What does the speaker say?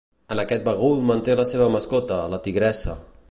En aquest bagul manté la seva mascota, la tigressa.